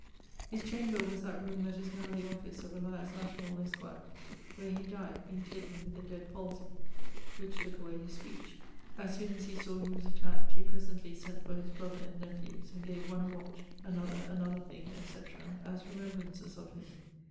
His chamber was that roome that is now the office of Elias Ashmole, esq.; where he dyed, being taken with the dead palsye, which tooke away his speech. As soone as he sawe he was attaqued, he presently sent for his brother, and nephews, and gave one a watch, another another thing, etc., as remembrances of him.